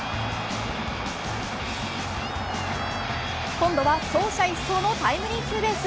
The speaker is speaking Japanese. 今度は走者一掃のタイムリーツーベース。